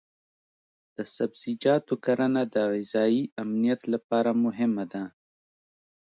د سبزیجاتو کرنه د غذایي امنیت لپاره مهمه ده.